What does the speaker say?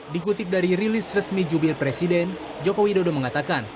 dikutip dari rilis resmi jubil presiden jokowi dodo mengatakan